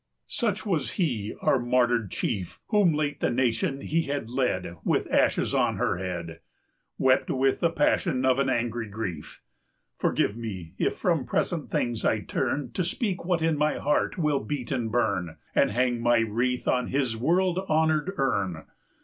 Such was he, our Martyr Chief, 150 Whom late the Nation he had led, With ashes on her head, Wept with the passion of an angry grief: Forgive me, if from present things I turn To speak what in my heart will beat and burn, 155 And hang my wreath on his world honored urn.